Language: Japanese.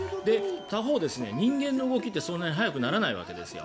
他方、人間の動きってそんなに早くならないわけですよ。